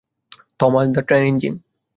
Thomas the train engine.